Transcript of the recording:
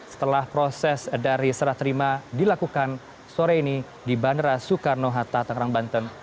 setelah proses dari serah terima dilakukan sore ini di bandara soekarno hatta tangerang banten